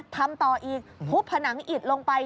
ทำต่ออีกทุบผนังอิดลงไป